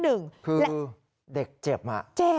คือเด็กเจ็บมา